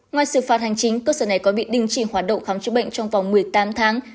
ngoài xử phạt hành chính cơ sở này còn bị đình chỉ hoạt động khám chữa bệnh trong vòng một mươi tám tháng